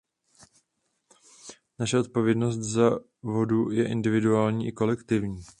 Naše odpovědnost za vodu je individuální i kolektivní.